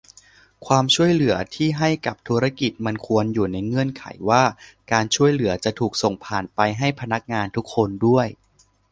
ความช่วยเหลือที่ให้กับธุรกิจมันควรอยู่ในเงื่อนไขว่า การช่วยเหลือจะถูกส่งผ่านไปให้พนักงานทุกคนด้วย